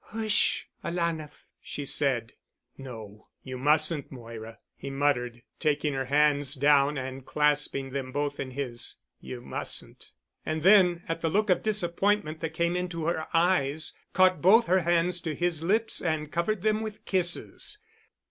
"Hush, alanah," she said. "No—you mustn't, Moira," he muttered, taking her hands down and clasping them both in his. "You mustn't." And then, at the look of disappointment that came into her eyes, caught both her hands to his lips and covered them with kisses.